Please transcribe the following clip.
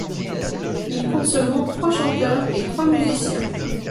Il compte seulement trois chanteurs et trois musiciens.